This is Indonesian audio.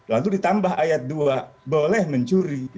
lalu ditambah ayat dua boleh mencuri